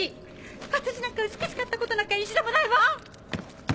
私なんか美しかったことなんか一度もないわ！